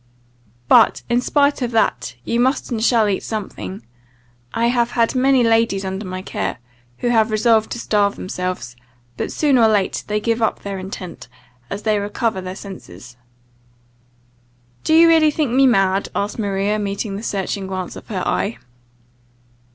"But, in spite of that, you must and shall eat something. I have had many ladies under my care, who have resolved to starve themselves; but, soon or late, they gave up their intent, as they recovered their senses." "Do you really think me mad?" asked Maria, meeting the searching glance of her eye.